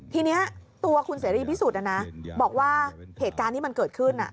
ทีนี้ตัวคุณเสรีพิสุทธิ์บอกว่าเหตุการณ์ที่มันเกิดขึ้น